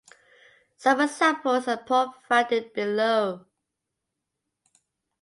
Some examples are provided below.